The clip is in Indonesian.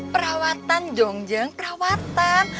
perawatan jongjang perawatan